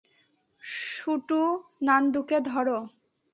শুটু, নান্দুকে ধর।